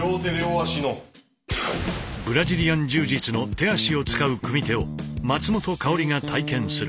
ブラジリアン柔術の手足を使う組み手を松本薫が体験する。